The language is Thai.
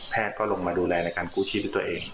แพทย์ก็ลงมาดูแลในการกู้ชีพที่ตัวเอง